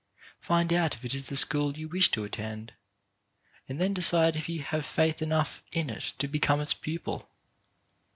Find out if it is the school you wish to attend, and then decide if you have faith enough in it to become its pupil.